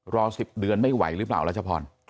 รอ๑๐เดือนไม่ไหวหรือเปล่ารัชพร